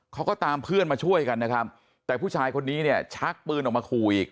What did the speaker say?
เขาก็ตามเพื่อนมาช่วยกันนะครับแต่ผู้ชายคนนี้เนี่ยชักปืนออกมาขู่อีก